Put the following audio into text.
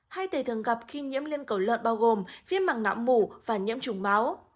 hai thể thường gặp khi nhiễm liên cầu lợn bao gồm viêm mảng nám mủ và nhiễm chủng máu